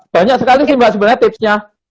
banyak sekali sih mbak sebenarnya tipsnya